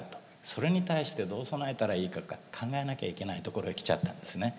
それに対してどう備えたらいいか考えなきゃいけないところへ来ちゃったんですね。